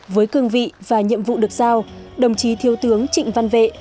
với cương vị và nhiệm vụ được giao đồng chí thiếu tướng trịnh văn vệ